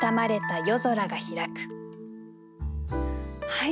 はい。